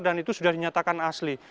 dan itu sudah dinyatakan asli